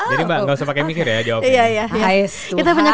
jadi mbak enggak usah pakai mikir ya jawabannya